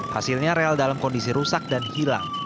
hasilnya rel dalam kondisi rusak dan hilang